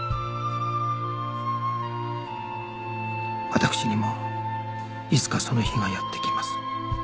私にもいつかその日がやって来ます